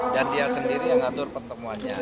dan dia sendiri yang ngatur pertemuannya